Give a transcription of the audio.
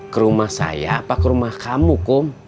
ke rumah saya apa ke rumah kamu kok